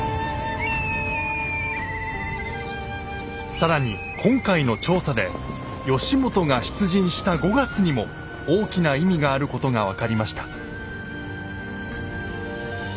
更に今回の調査で義元が出陣した５月にも大きな意味があることが分かりました。